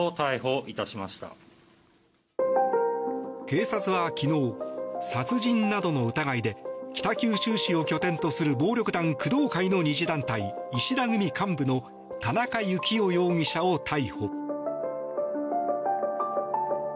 警察は昨日、殺人などの疑いで北九州市を拠点とする暴力団工藤会の２次団体石田組幹部の田中幸雄容疑者を逮捕。